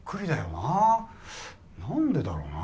なんでだろうな。